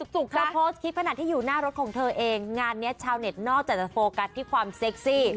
จุกเธอโพสต์คลิปขนาดที่อยู่หน้ารถของเธอเองงานนี้ชาวเน็ตนอกจากจะโฟกัสที่ความเซ็กซี่